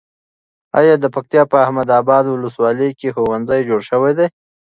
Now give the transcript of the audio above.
ایا د پکتیا په احمد اباد ولسوالۍ کې ښوونځي جوړ شوي دي؟